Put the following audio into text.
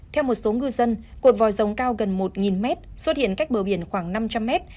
theo một số ngư dân cột vòi rồng cao gần một mét xuất hiện cách bờ biển khoảng năm trăm linh mét